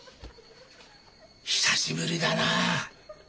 久しぶりだなぁ。